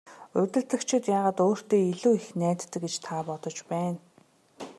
Удирдагчид яагаад өөртөө илүү их найддаг гэж та бодож байна?